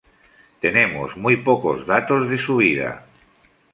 Tenemos muy pocos datos de su vida.